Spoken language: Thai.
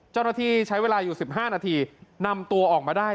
เจ้าหน้าที่ใช้เวลาอยู่๑๕นาทีนำตัวออกมาได้